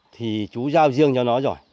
thì chú giao riêng cho nó rồi